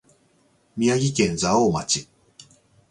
宮城県蔵王町